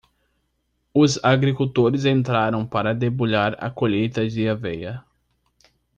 Os agricultores entraram para debulhar a colheita de aveia.